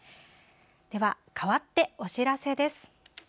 かわって、お知らせです。